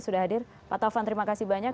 sudah hadir pak taufan terima kasih banyak